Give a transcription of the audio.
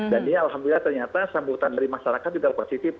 dan ini alhamdulillah ternyata sambutan dari masyarakat juga positif